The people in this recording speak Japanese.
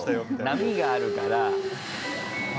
波があるから。